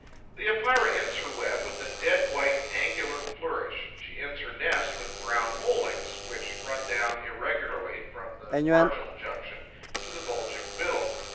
The Epeira ends her web with a dead white, angular flourish; she ends her nest with brown mouldings, which run down, irregularly, from the marginal junction to the bulging middle.